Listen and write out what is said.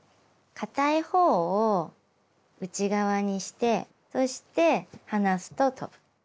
かたい方を内側にしてそして離すと飛ぶ。